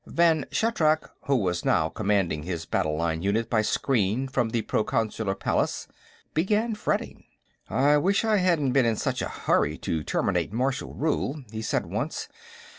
Vann Shatrak, who was now commanding his battle line unit by screen from the Proconsular Palace, began fretting. "I wish I hadn't been in such a hurry to terminate martial rule," he said, once.